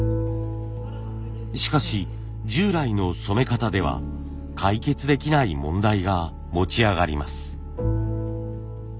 しかし従来の染め方では解決できない問題が持ち上がります。